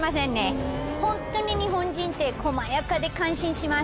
ホントに日本人ってこまやかで感心します。